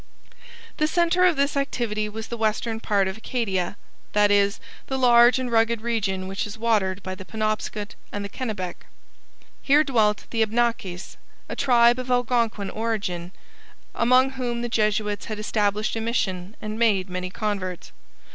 The centre of this activity was the western part of Acadia that is, the large and rugged region which is watered by the Penobscot and the Kennebec. Here dwelt the Abnakis, a tribe of Algonquin origin, among whom the Jesuits had established a mission and made many converts.